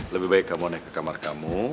lebih baik kamu naik ke kamar kamu